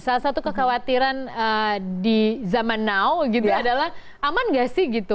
salah satu kekhawatiran di zaman now gitu adalah aman gak sih gitu